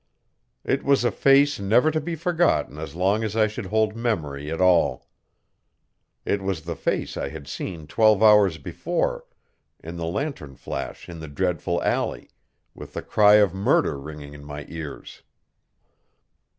It was a face never to be forgotten as long as I should hold memory at all. It was the face I had seen twelve hours before in the lantern flash in the dreadful alley, with the cry of murder ringing in my ears.